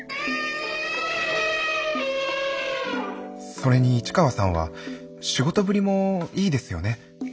それに市川さんは仕事ぶりもいいですよね。